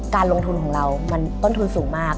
การลงทุนของเรามันต้นทุนสูงมาก